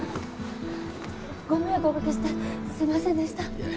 ご迷惑おかけしてすいませんでした。